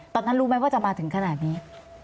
ตอนนั้นรู้ไหมว่าจะมาถึงขนาดนี้